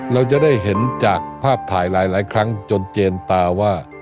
เราจะได้เห็นจากภาพถ่ายหลายครั้งจนเจนตาว่า